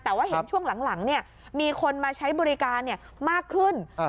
แต่ว่าเห็นช่วงหลังมีคนมาใช้บริการมากขึ้น